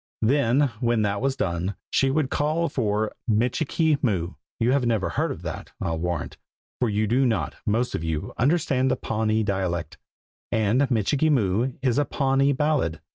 Then when that was done, she would call for "Michikee Moo." You have never heard that, I'll warrant, for you do not, most of you, understand the Pawnee dialect, and "Michikee Moo" is a Pawnee ballad.